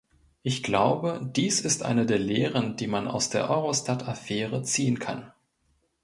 Ich glaube, dies ist eine der Lehren, die man aus der Eurostat-Affäre ziehen kann.